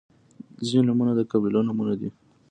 • ځینې نومونه د قبیلو نومونه دي.